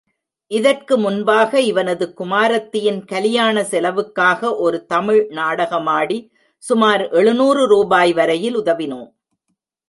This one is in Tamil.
இதற்கு முன்பாக இவனது குமாரத்தியின் கலியாண செலவுக்காக, ஒரு தமிழ் நாடகமாடி சுமார் எழுநூறு ரூபாய் வரையில் உதவினோம்.